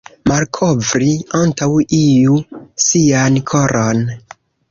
Malkovri antaŭ iu sian koron.